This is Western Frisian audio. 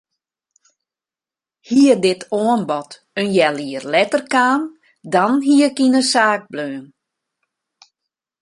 Hie dit oanbod in healjier letter kaam dan hie ik yn de saak bleaun.